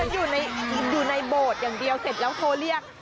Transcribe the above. อยู่ในโบสถ์อย่างเดียวเสร็จแล้วโทรเรียก